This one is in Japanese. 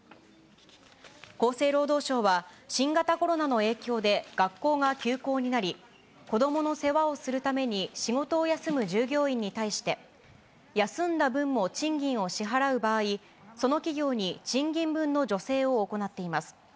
厚生労働省は、新型コロナの影響で学校が休校になり、子どもの世話をするために仕事を休む従業員に対して、休んだ分も賃金を支払う場合、その企業に賃金分の助成を行っています。